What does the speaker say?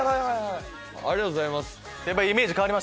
ありがとうございます。